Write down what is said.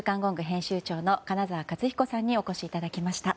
編集長の金沢克彦さんにお越しいただきました。